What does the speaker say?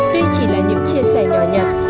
tuy chỉ là những chia sẻ nhỏ nhặt